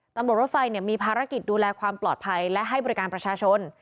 รถไฟมีภารกิจดูแลความปลอดภัยและให้บริการประชาชน